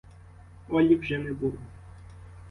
Олі вже не було.